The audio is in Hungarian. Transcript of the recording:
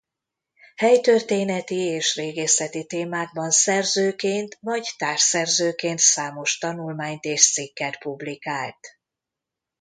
Helytörténeti és régészeti témákban szerzőként vagy társszerzőként számos tanulmányt és cikket publikált.